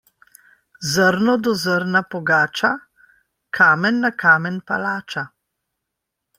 Zrno do zrna pogača, kamen na kamen palača.